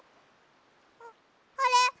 あっあれ！？